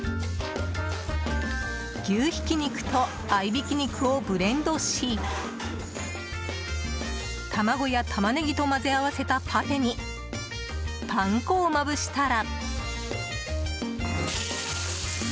牛ひき肉と合いびき肉をブレンドし卵やタマネギと混ぜ合わせたパテに、パン粉をまぶしたら。